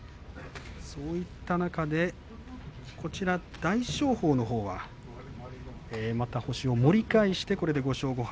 こちら大翔鵬のほうはまた星を盛り返してこれで５勝５敗。